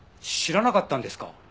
知らなかったんですか？